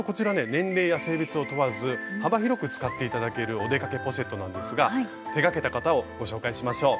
年齢や性別を問わず幅広く使って頂ける「お出かけポシェット」なんですが手がけた方をご紹介しましょう。